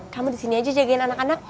kamu di sini aja jagain anak anak